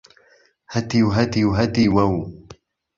ههتیو ههتیو ههتیوه و